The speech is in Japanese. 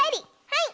はい！